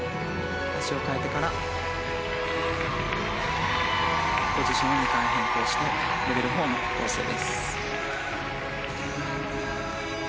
足を換えてからポジションを２回変更してレベル４の構成です。